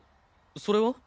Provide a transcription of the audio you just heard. それは？